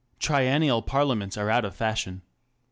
Triennial parliaments are out of fashion.